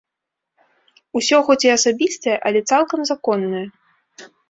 Усё хоць і асабістае, але цалкам законнае.